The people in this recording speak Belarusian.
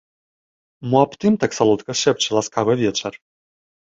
Мо аб тым так соладка шэпча ласкавы вечар?